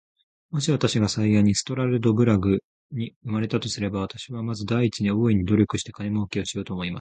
もし私が幸いにストラルドブラグに生れたとすれば、私はまず第一に、大いに努力して金もうけをしようと思います。